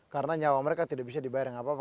karena nyawa mereka tidak bisa dibayar dengan apa apa